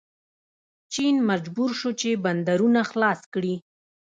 چین مجبور شو چې بندرونه خلاص کړي.